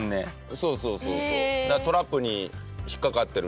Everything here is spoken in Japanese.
そうそうそうそう。